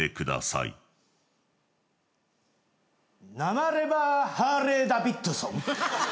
生レバーハーレーダビッドソン。